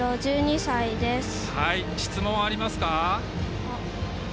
質問ありますか？